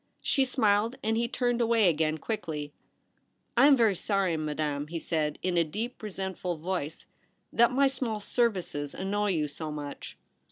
She smiled, and he turned away again quickly. ' I am very sorry, Madame,' he said, in a deep resentful voice, * that my small services annoy you so much.'